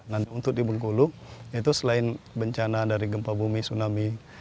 nah untuk di bengkulu itu selain bencana dari gempa bumi tsunami